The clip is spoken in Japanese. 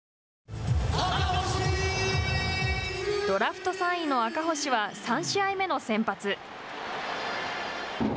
ドラフト３位の赤星は３試合目の先発。